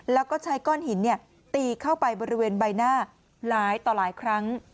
แล้วก็ใช้ก้อนหินตีเข้าไปบริเวณใบหน้าหลายต่อหลายครั้ง